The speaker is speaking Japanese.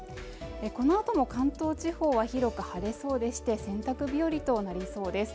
このあとも関東地方は広く晴れそうでして洗濯日和となりそうです